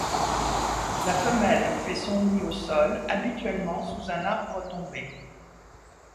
La femelle fait son nid au sol, habituellement sous un arbre tombé.